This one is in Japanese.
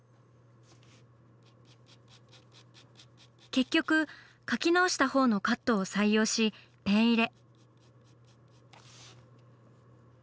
結局描き直したほうのカットを採用しペン入れ。